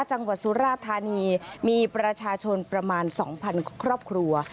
จังหวัดสุราธานีมีประชาชนประมาณสองพันครอบครัว